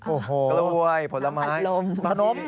โอ้โฮผลไม้ขนม